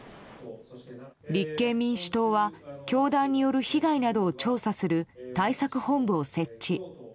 立憲民主党は教団による被害などを調査する対策本部を設置。